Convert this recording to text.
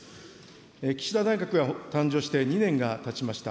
岸田内閣が誕生して２年がたちました。